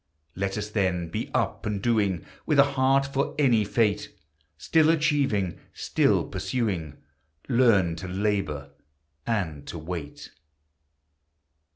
Let us, then, be up and doing, With a heart for any fate; Still achieving, still pursuing, Learn to labor and to wait.